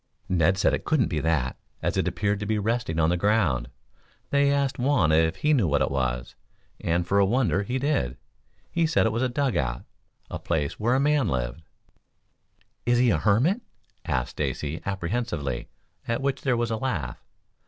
Ned said it couldn't be that, as it appeared to be resting on the ground. They asked Juan if he knew what it was, and for a wonder he did. He said it was a dug out a place where a man lived. "Is he a hermit?" asked Stacy apprehensively, at which there was a laugh.